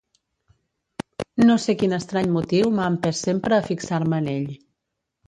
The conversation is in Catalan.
No sé quin estrany motiu m'ha empès sempre a fixar-me en ell.